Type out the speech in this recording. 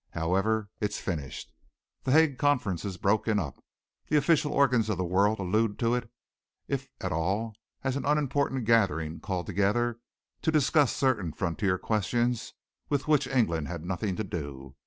However, it's finished. The Hague Conference is broken up. The official organs of the world allude to it, if at all, as an unimportant gathering called together to discuss certain frontier questions with which England had nothing to do.